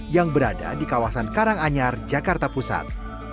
yang berada di kawasan karanganyar jakarta pusat